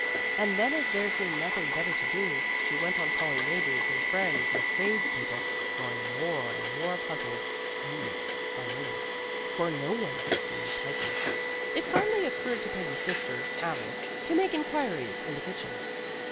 And then as there seemed nothing better to do, she went on calling neighbors and friends and trades people, growing more and more puzzled, moment by moment. For no one had seen Peggy. It finally occurred to Peggy's sister, Alice, to make inquiries in the kitchen.